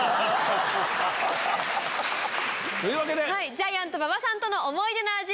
ジャイアント馬場さんとの思い出の味